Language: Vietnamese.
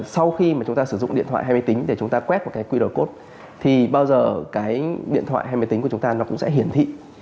sau khi mà chúng ta sử dụng điện thoại hay máy tính để chúng ta quét một cái qr code thì bao giờ cái điện thoại hay máy tính của chúng ta nó cũng sẽ hiển thị